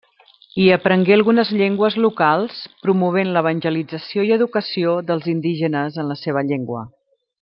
Hi aprengué algunes llengües locals, promovent l'evangelització i educació dels indígenes en la seva llengua.